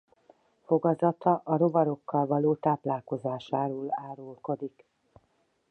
Fogazata a rovarokkal való táplálkozásáról árulkodik.